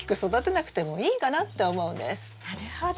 なるほど。